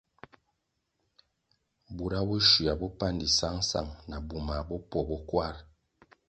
Bura bo shywua bopandi sangsang na bumah bopwo bo kwar.